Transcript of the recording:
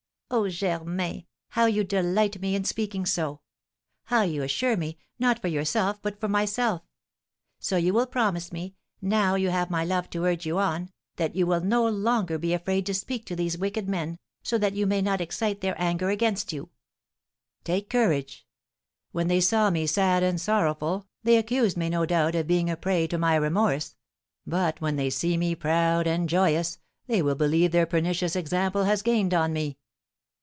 "Oh, Germain, how you delight me in speaking so! How you assure me, not for yourself but for myself. So you will promise me, now you have my love to urge you on, that you will no longer be afraid to speak to these wicked men, so that you may not excite their anger against you?" [Illustration: "Touched with His Lips through the Grating" Original Etching by Mercier] "Take courage! When they saw me sad and sorrowful, they accused me, no doubt, of being a prey to my remorse; but when they see me proud and joyous, they will believe their pernicious example has gained on me."